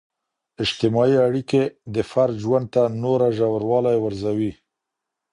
اجتماعي اړیکي د فرد ژوند ته نوره ژوروالی ورزوي.